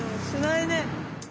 しないね。